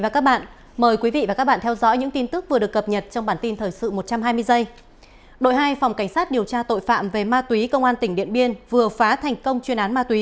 các bạn hãy đăng ký kênh để ủng hộ kênh của chúng mình nhé